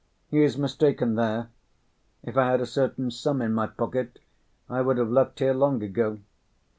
He is mistaken there. If I had a certain sum in my pocket, I would have left here long ago.